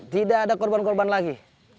tidak ada korban korban lagi